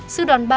sư đoàn ba